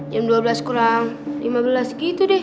jam dua belas kurang lima belas gitu deh